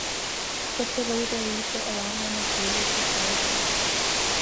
سب سے بڑی ترغیب تو عوام میں مقبولیت کی خواہش ہے۔